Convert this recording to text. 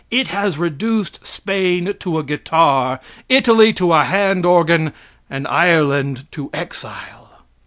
It has reduced Spain to a guitar, Italy to a hand organ and Ireland to exile.